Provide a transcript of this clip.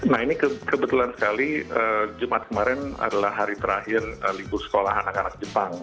nah ini kebetulan sekali jumat kemarin adalah hari terakhir libur sekolah anak anak jepang